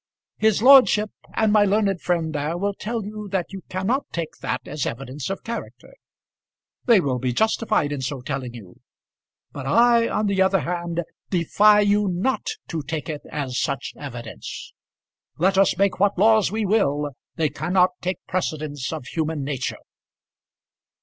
His lordship and my learned friend there will tell you that you cannot take that as evidence of character. They will be justified in so telling you; but I, on the other hand, defy you not to take it as such evidence. Let us make what laws we will, they cannot take precedence of human nature.